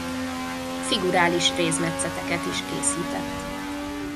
Figurális rézmetszeteket is készített.